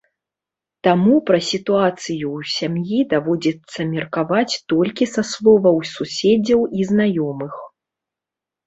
Таму пра сітуацыю ў сям'і даводзіцца меркаваць толькі са словаў суседзяў і знаёмых.